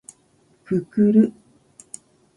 くくる